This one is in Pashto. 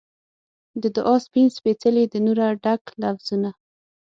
د دعا سپین سپیڅلي د نوره ډک لفظونه